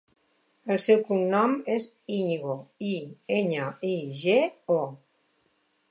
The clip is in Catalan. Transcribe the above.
El seu cognom és Iñigo: i, enya, i, ge, o.